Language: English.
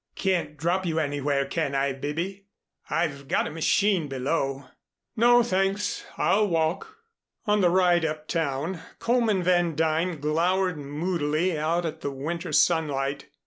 "Can't drop you anywhere, can I, Bibby? I've got the machine below." "No, thanks. I'll walk." On the ride uptown Coleman Van Duyn glowered moodily out at the winter sunlight.